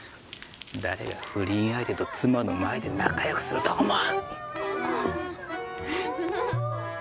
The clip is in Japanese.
誰が不倫相手と妻の前で仲よくすると思う？